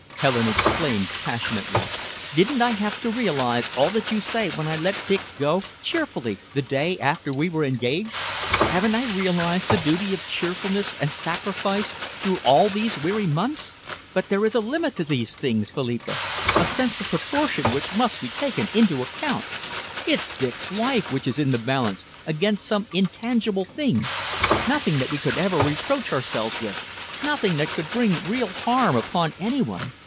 Helen exclaimed passionately. "Didn't I have to realise all that you say when I let Dick go, cheerfully, the day after we were engaged? Haven't I realised the duty of cheerfulness and sacrifice through all these weary months? But there is a limit to these things, Philippa, a sense of proportion which must be taken into account. It's Dick's life which is in the balance against some intangible thing, nothing that we could ever reproach ourselves with, nothing that could bring real harm upon any one.